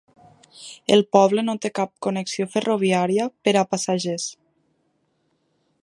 El poble no té cap connexió ferroviària per a passatgers.